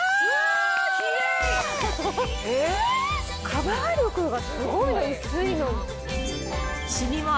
⁉カバー力がすごいの薄いのに。